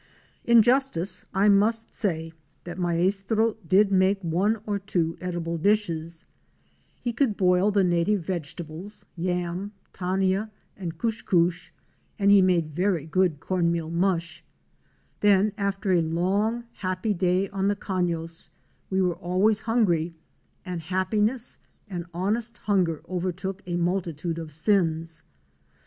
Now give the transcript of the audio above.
In justice, I must say that Maestro did make one or two A WOMAN'S EXPERIENCES IN VENEZUELA. 79 edible dishes; he could boil the native vegetables, yam, tania and kuch kuch and he made very good cornmeal mush. Then after a long, happy day on the cafios we were always hungry, and happiness and honest hunger overlook a multi tude of sins.